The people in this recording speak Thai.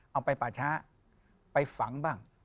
เอาไปป่าช้าไปฝังบ้าง